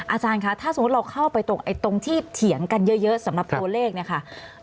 อาจารย์คะถ้าสมมุติเราเข้าไปตรงที่เถียงกันเยอะสำหรับตัวเลขเนี่ยค่ะ